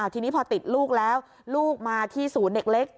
ทีนี้พอติดลูกแล้วลูกมาที่ศูนย์เด็กเล็ก